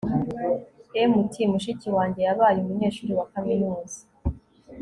m] [t] mushiki wanjye yabaye umunyeshuri wa kaminuza